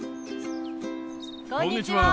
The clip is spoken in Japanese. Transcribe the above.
こんにちは。